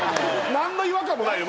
何の違和感もないよ。